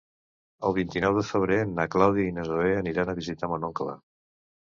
El vint-i-nou de febrer na Clàudia i na Zoè aniran a visitar mon oncle.